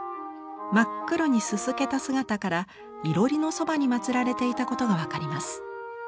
真っ黒にすすけた姿からいろりのそばに祭られていたことが分かります。